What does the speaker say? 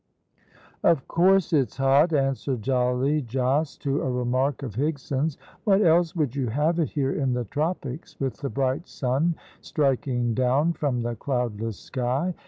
"Of course it's hot," answered jolly Jos to a remark of Higson's. "What else would you have it here in the tropics, with the bright sun striking down from the cloudless sky?